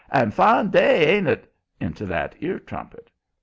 and "Fine day, ain't it?" into that ear trumpet.